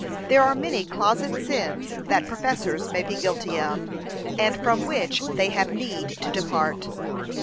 There are many closets sins that professors may be guilty of, and from which they have need to depart.